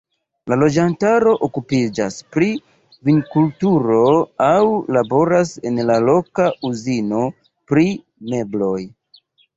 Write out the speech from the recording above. La loĝantaro okupiĝas pri vinkulturo aŭ laboras en la loka uzino pri mebloj.